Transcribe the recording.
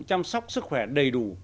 chăm sóc sức khỏe đầy đủ